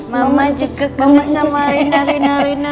mama cus kekenceng sama rena rena rena rena